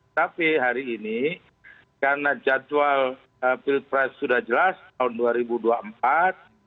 tapi hari ini karena jadwal pilpres sudah jelas tahun dua ribu dua puluh empat